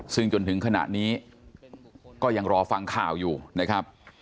ซึ่งจนถึงขณะนี้ก็ยังรอฟังข่าวอยู่นะครับ